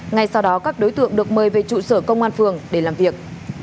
ngay sau đó các đối tượng được mời về trụ sở công an phường để làm việc